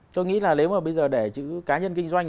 tôi nghĩ là nếu mà bây giờ để chữ cá nhân kinh doanh